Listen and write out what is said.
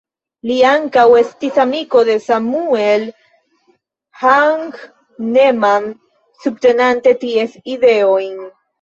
Li ankaŭ estis amiko de Samuel Hahnemann subtenante ties ideojn.